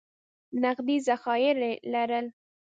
نغدي ذخایر یې لرل.